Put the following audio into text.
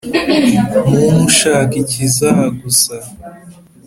muntu ushaka icyizagusa